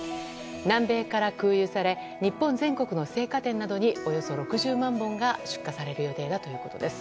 南米から空輸され日本全国の生花店などにおよそ６０万本が出荷される予定だということです。